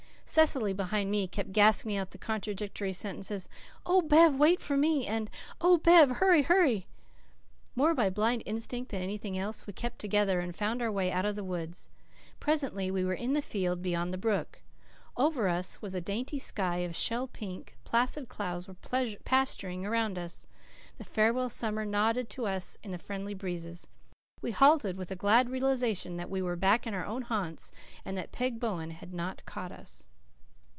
Cecily, behind me, kept gasping out the contradictory sentences, "Oh, Bev, wait for me," and "Oh, Bev, hurry, hurry!" More by blind instinct than anything else we kept together and found our way out of the woods. Presently we were in the field beyond the brook. Over us was a dainty sky of shell pink, placid cows were pasturing around us; the farewell summers nodded to us in the friendly breezes. We halted, with a glad realization that we were back in our own haunts and that Peg Bowen had not caught us.